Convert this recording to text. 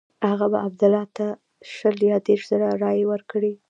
هغه به عبدالله ته شل یا دېرش زره رایې ورکړي.